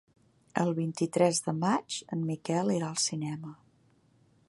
El vint-i-tres de maig en Miquel irà al cinema.